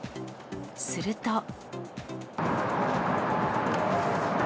すると。